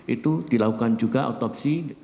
itu dilakukan juga otopsi